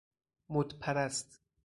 مد پرست